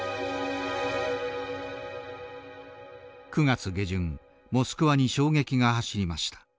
９月下旬モスクワに衝撃が走りました。